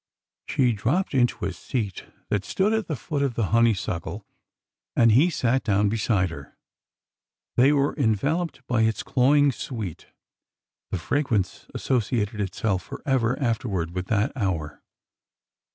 She dropped into a seat that stood at the foot of the honeysuckle, and he sat down beside her. They were en veloped by its cloying sweet. The fragrance associated itself forever afterward with that hour.